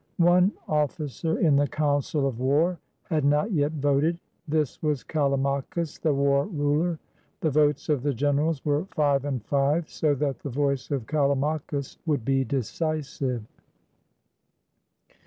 One officer in the council of war had not yet voted. This was Callimachus the war ruler. The votes of the generals were five and five, so that the voice of Callim achus, would be decisive.